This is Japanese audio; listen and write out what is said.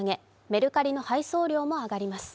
メルカリの配送料も上がります。